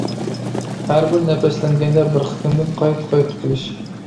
ھەربىر نەپەسلەنگەندە بىر قېتىمدىن قايتا-قايتا قىلىش.